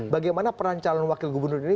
bagaimana peran calon wakil gubernur ini